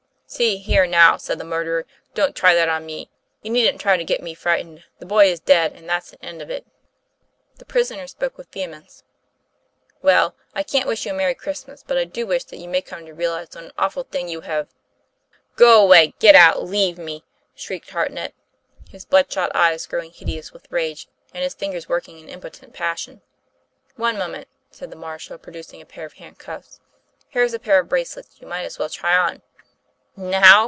"See here, now," said the murderer, "don't try that on me. You needn't try to get me frightened. The boy is dead, and that's an end of it." The prisoner spoke with vehemence. "Well, I can't wish you a merry Christmas, but I do wish that you may come to realize what an awful thing you have " "Go away! Get out! Leave me!" shrieked Hartnett, his bloodshot eyes growing hideous with rage, and his fingers working in impotent passion. "One moment," said the marshal, producing a pair of handcuffs; "here's a pair of bracelets you might as well try on." " Now